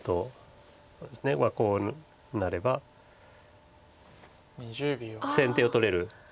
こうなれば先手を取れる。